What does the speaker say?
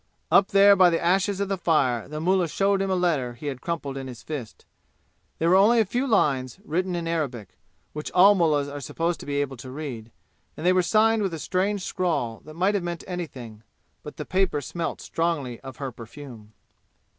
Up there by the ashes of the fire the mullah showed him a letter he had crumpled in his fist. There were only a few lines, written in Arabic, which all mullahs are supposed to be able to read, and they were signed with a strange scrawl that might have meant anything. But the paper smelt strongly of her perfume.